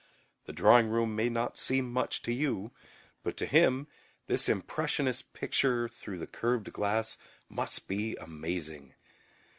The drawing room may not seem much to you, but to him this impressionist picture through the curved glass must be amazing.